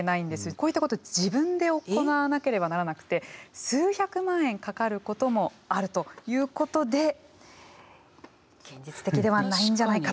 こういったことを自分で行わなければならなくて数百万円かかることもあるということで現実的ではないんじゃないかという声